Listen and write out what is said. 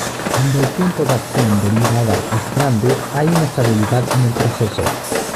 Cuando el tiempo de acción derivada es grande, hay inestabilidad en el proceso.